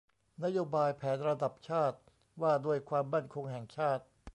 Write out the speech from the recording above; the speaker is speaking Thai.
นโยบายแผนระดับชาติว่าด้วยความมั่นคงแห่งชาติ